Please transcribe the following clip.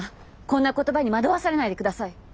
こんな言葉に惑わされないでください。